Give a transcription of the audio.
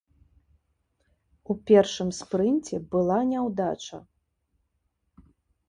У першым спрынце была няўдача.